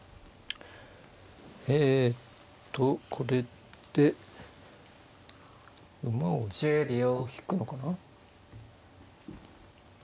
えとこれで馬を一個引くのかな。